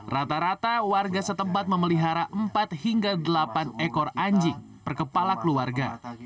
rata rata warga setempat memelihara empat hingga delapan ekor anjing per kepala keluarga